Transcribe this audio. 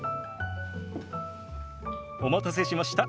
お待たせしました。